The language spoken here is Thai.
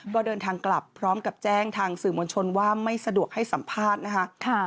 ก็เดินทางกลับพร้อมกับแจ้งทางสื่อมวลชนว่าไม่สะดวกให้สัมภาษณ์นะคะ